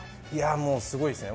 もうすごいですね。